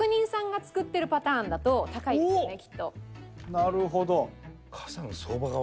なるほど。